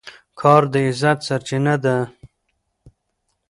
کار د عزت سرچینه ده.